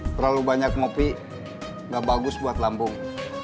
terlalu banyak kopi nggak bagus buat lampung